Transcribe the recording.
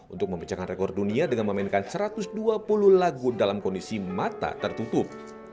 untuk memecahkan rekor dunia dengan memainkan satu ratus dua puluh lagu dalam kondisi mata tertutup